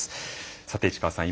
さて市川さん